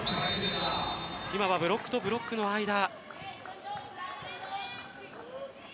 今はブロックとブロックの間。